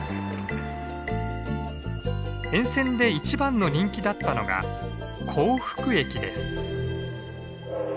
沿線で一番の人気だったのが幸福駅です。